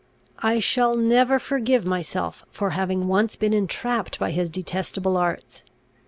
I shall never forgive myself for having once been entrapped by his detestable arts.